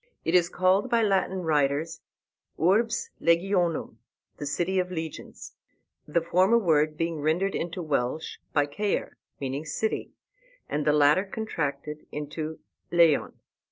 It is called by Latin writers Urbs Legionum, the City of Legions. The former word being rendered into Welsh by Caer, meaning city, and the latter contracted into lleon.